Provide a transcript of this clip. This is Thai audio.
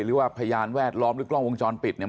หรือว่าพยานแวดล้อมหรือกล้องวงจรปิดเนี่ย